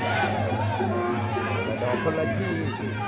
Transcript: ละดอกตัวละที